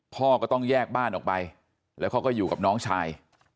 พ่อก็ต้องแยกบ้านออกไปแล้วเขาก็อยู่กับน้องชาย